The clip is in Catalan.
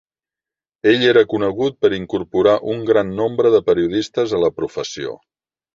Ell era conegut per incorporar un gran nombre de periodistes a la professió.